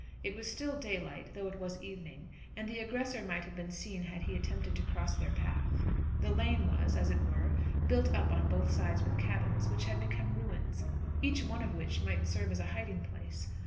It was still daylight though it was evening, and the aggressor might have been seen had he attempted to cross their path. The lane was, as it were, built up on both sides with cabins, which had become ruins, each one of which might serve as a hiding place.